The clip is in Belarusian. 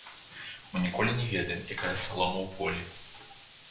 Мы ніколі не ведаем, якая салома ў полі.